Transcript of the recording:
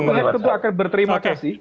semua pihak itu akan berterima kasih